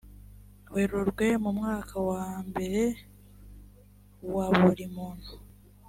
werurwe mu mwaka wa mbere wa buri muntu